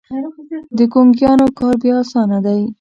د ګونګيانو کار بيا اسانه دی.